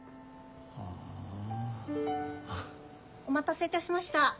お待たせいたしました。